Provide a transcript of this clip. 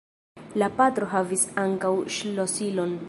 La patro havis ankaŭ ŝlosilon.